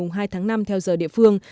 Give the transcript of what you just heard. ngày hai tháng năm theo giờ địa phương